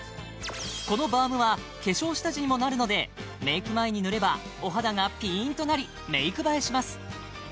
このバームは化粧下地にもなるのでメイク前に塗ればお肌がピーンとなりメイク映えします